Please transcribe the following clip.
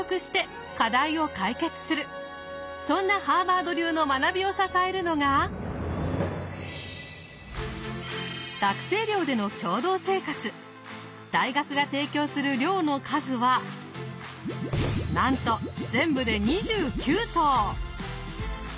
そんなハーバード流の学びを支えるのが大学が提供する寮の数はなんと全部で２９棟！